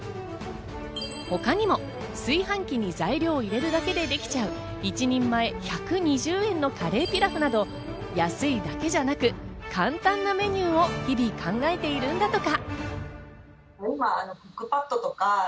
他にも炊飯器に材料を入れるだけでできちゃう、１人前１２０円のカレーピラフなど安いだけじゃなく簡単なメニューを日々考えているんだとか。